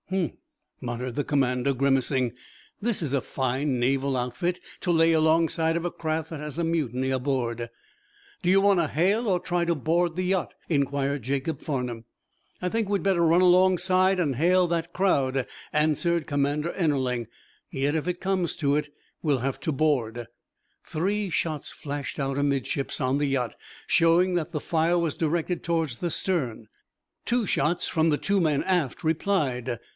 "Hm!" muttered the commander, grimacing. "This is a fine Naval outfit to lay alongside of a craft that has a mutiny aboard!" "Do you want to hail, or try to board the yacht?" inquired Jacob Farnum. "I think we'd better run alongside and hail that crowd," answered Commander Ennerling. "Yet, if it comes to it, we'll have board!" Three shots flashed out, amidships, on the yacht, showing that the fire was directed towards the stern. Two shots from the two men aft replied.